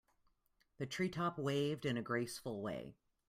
The tree top waved in a graceful way.